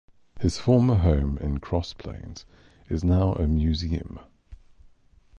His former home in Cross Plains is now a museum.